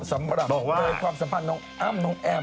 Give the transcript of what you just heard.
บอกว่าสำหรับเรย์ความสัมพันธ์น้องอั้มน้องแอ้ม